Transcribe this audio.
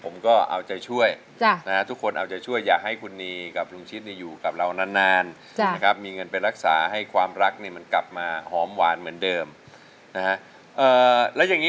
มากันมุ้งบ้างมากินข้างฝ่าบ้าง